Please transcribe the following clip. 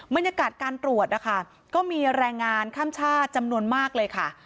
บรรยากาศการตรวจนะคะก็มีแรงงานข้ามชาติจำนวนมากเลยค่ะ